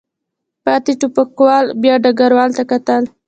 پاتې ټوپکوالو بیا ډګروال ته کتل.